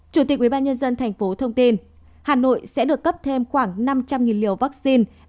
chủ tịch ubnd tp thông tin hà nội sẽ được cấp thêm khoảng năm trăm linh liều vaccine